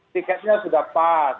tiketnya sudah pas